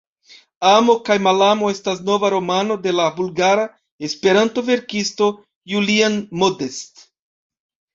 Amo kaj malamo estas nova romano de la bulgara Esperanto-verkisto Julian Modest.